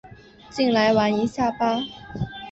进来玩一下吧